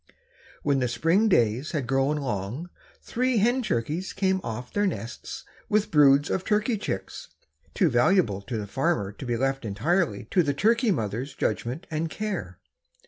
When the spring days had grown long three hen turkeys came off their nests with broods of turkey chicks, too valuable to the farmer to be left entirely to the turkey mother's judgment and care.